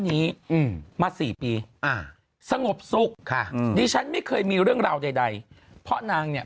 นี้มา๔ปีสงบสุขดิฉันไม่เคยมีเรื่องราวใดเพราะนางเนี่ย